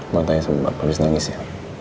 matanya sembar abis nangis ya